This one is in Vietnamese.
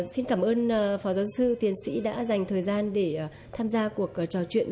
xin cảm ơn phó giáo sư tiến sĩ đã dành thời gian để tham gia cuộc trò chuyện